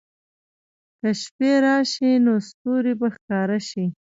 که شپې راشي، نو ستوري به ښکاره شي.